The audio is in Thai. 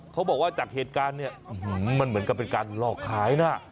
เขาบอกว่าจากเหตุการณ์เนี่ยมันเหมือนกับเป็นการหลอกขายนะ